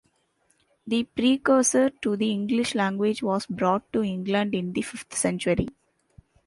The precursor to the English language was brought to England in the fifth century.